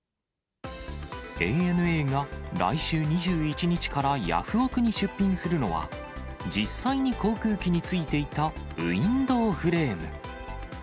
ＡＮＡが来週２１日からヤフオク！に出品するのは、実際に航空機についていたウインドウフレーム。